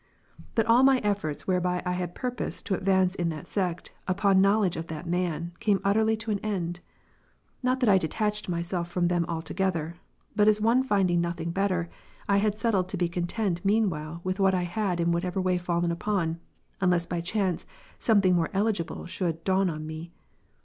But all my efforts whereby I had purposed to advance in that sect, upon knowledge of that man, came utterly to an end ; not that I detached myself from them altogether, but as one finding nothing better, I had settled to be content meanwhile with what I had in whatever way fallen upon, unless by chance something more eligible should dawn upon me.